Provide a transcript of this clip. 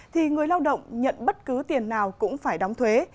thì người lao động nhận bất cứ tiền nào cũng phải đóng thuế